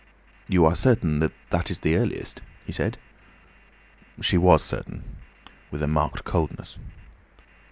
"You are certain that is the earliest?" he said. She was certain, with a marked coldness.